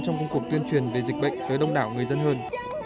trong công cuộc tuyên truyền về dịch bệnh tới đông đảo người dân hơn